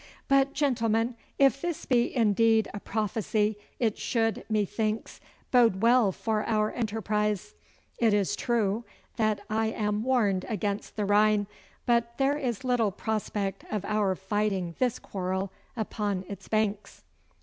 But, gentlemen, if this be indeed a prophecy, it should, methinks, bode well for our enterprise. It is true that I am warned against the Rhine, but there is little prospect of our fighting this quarrel upon its banks.